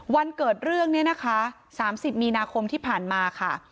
เกิดเรื่องนี้นะคะ๓๐มีนาคมที่ผ่านมาค่ะ